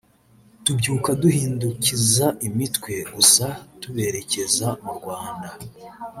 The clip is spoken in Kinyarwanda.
tubyuka duhindukiza imitwe gusa tuberekeza mu Rwanda